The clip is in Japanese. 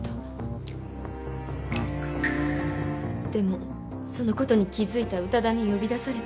でもその事に気づいた宇多田に呼び出されて。